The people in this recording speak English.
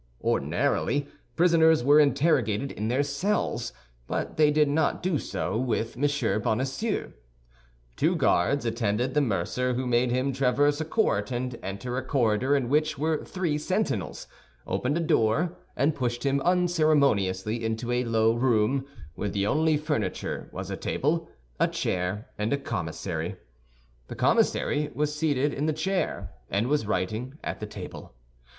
Ordinarily, prisoners were interrogated in their cells; but they did not do so with M. Bonacieux. Two guards attended the mercer who made him traverse a court and enter a corridor in which were three sentinels, opened a door and pushed him unceremoniously into a low room, where the only furniture was a table, a chair, and a commissary. The commissary was seated in the chair, and was writing at the table.